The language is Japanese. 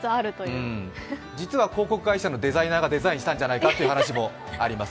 実は広告会社のデザイナーがデザインしたんじゃないかという話もあります。